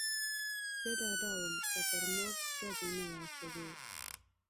زه ډاډه ووم، که پر موږ ډزې نه وای شوې.